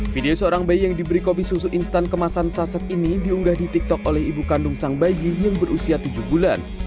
video seorang bayi yang diberi kopi susu instan kemasan saset ini diunggah di tiktok oleh ibu kandung sang bayi yang berusia tujuh bulan